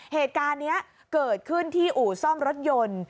เหตุการณ์นี้เกิดขึ้นที่อู่ซ่อมรถยนต์